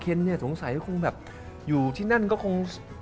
เค้นสงสัยคงแบบอยู่ที่นั่นก็คง